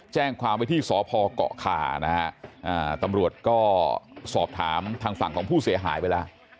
แจ้งความไว้ที่สพเกาะคานะฮะตำรวจก็สอบถามทางฝั่งของผู้เสียหายไปแล้ว